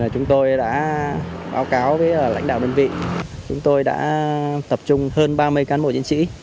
chúng tôi đã báo cáo với lãnh đạo đơn vị chúng tôi đã tập trung hơn ba mươi cán bộ chiến sĩ